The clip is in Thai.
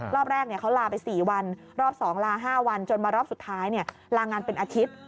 รอบแรกเขาลาไป๔วันรอบ๒ลา๕วันจนมารอบสุดท้ายลางานเป็นอาทิตย์